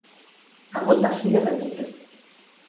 A gota fría remite.